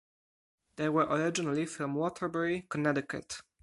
They were originally from Waterbury, Connecticut.